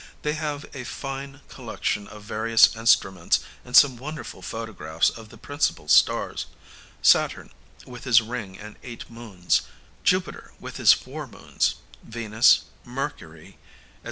They have a fine collection of various instruments and some wonderful photographs of the principal stars Saturn, with his ring and eight moons, Jupiter, with his four moons, Venus, Mercury, &c.